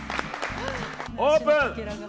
オープン！